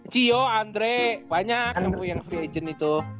ciyo andre banyak yang nungguin free agent itu